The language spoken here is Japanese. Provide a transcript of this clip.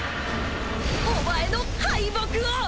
お前の敗北を！